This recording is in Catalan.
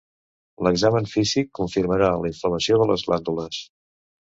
L'examen físic confirmarà la inflamació de les glàndules.